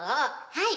はい。